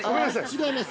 違います。